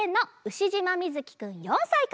しじまみずきくん４さいから。